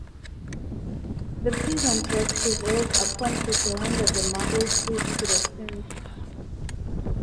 The peasant was prevailed upon to surrender the marble seat to the prince.